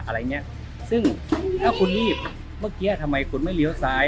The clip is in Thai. อะไรอย่างเงี้ยซึ่งถ้าคุณรีบเมื่อกี้ทำไมคุณไม่เลี้ยวซ้าย